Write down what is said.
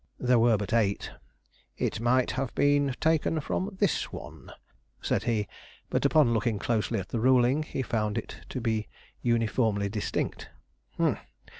There were but eight. "It might have been taken from this one," said he; but, upon looking closely at the ruling, he found it to be uniformly distinct.